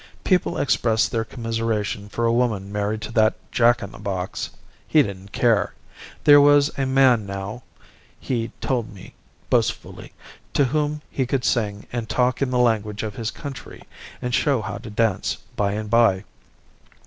People expressed their commiseration for a woman married to that Jack in the box. He didn't care. There was a man now (he told me boastfully) to whom he could sing and talk in the language of his country, and show how to dance by and by.